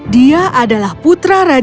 dia adalah putra rajamu